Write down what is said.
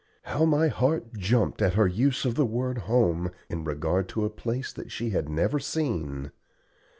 How my heart jumped at her use of the word "home" in regard to a place that she had never seen.